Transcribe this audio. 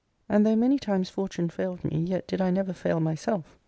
And, though many times fortune failed me, yet did I never fail myself.